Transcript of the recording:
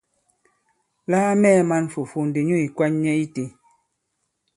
La a mɛɛ̄ man fùfu ndi nyu ì kwan nyɛ itē.